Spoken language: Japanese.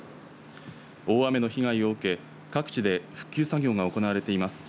大雨の被害を受け各地で復旧作業が行われています。